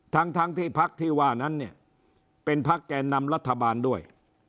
ทั้งที่พักที่ว่านั้นเนี่ยเป็นพักแก่นำรัฐบาลด้วย